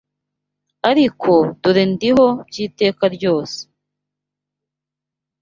ariko, dore ndiho by’iteka ryose